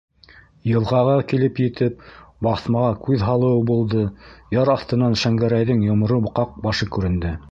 Йылғаға килеп етеп, баҫмаға күҙ һалыуы булды, яр аҫтынан Шәңгәрәйҙең йомро ҡаҡ башы күренде.